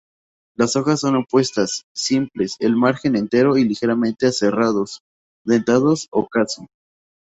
Las hojas son opuestas, simples, el margen entero y ligeramente aserrados, dentados o casi.